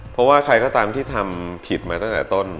เพราะว่าใครก็ตามที่ทำผิดมาตั้งแต่ต้น